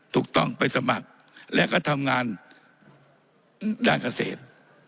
ถูกต้องไปสมัครและก็ทำงานด้านเกษตร